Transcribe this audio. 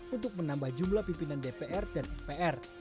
untuk menambah jumlah pimpinan dpr dan mpr